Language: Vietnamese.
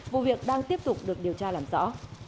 vụ việc đang tiếp tục được điều tra làm rõ